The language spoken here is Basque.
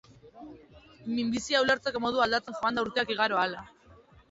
Minbizia ulertzeko modua aldatzen joan da urteak igaro ahala.